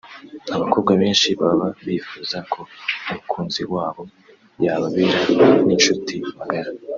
Abakobwa benshi baba bifuza ko umukunzi wabo yababera n’inshuti magara